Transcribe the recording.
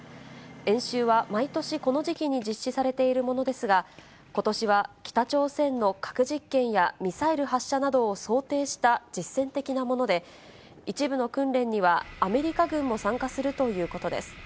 演習は毎年この時期に実施されているものですが、ことしは北朝鮮の核実験やミサイル発射などを想定した実戦的なもので、一部の訓練には、アメリカ軍も参加するということです。